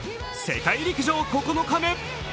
世界陸上９日目。